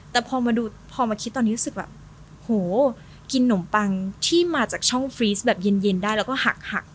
แต่พอมาดูพอมาคิดตอนนี้รู้สึกแบบโหกินนมปังที่มาจากช่องฟรีสแบบเย็นได้แล้วก็หัก